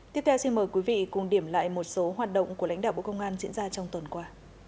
tiếp theo xin mời quý vị cùng điểm lại một số hoạt động của lãnh đạo bộ công an diễn ra trong tuần qua